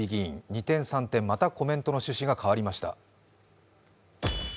二転三転、またコメントの趣旨が変わりました。